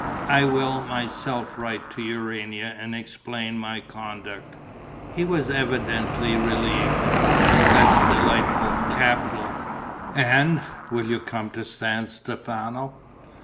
"I will myself write to Urania and explain my conduct." He was evidently relieved: "That's delightful, capital! And ... will you come to San Stefano?"